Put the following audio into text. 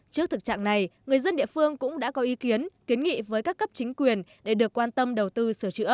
trước thực trạng này người dân địa phương cũng đã có ý kiến kiến nghị với các cấp chính quyền để được quan tâm đầu tư sửa chữa